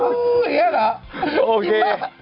ุ้ยเยอะหรอโอเค